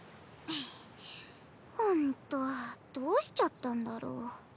ほんとどうしちゃったんだろ。